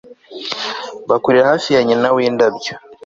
Bakurira hafi ya nyina windabyo